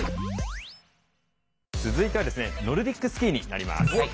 続いてはノルディックスキーになります。